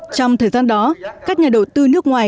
trong thời gian đó các nhà đầu tư nước ngoài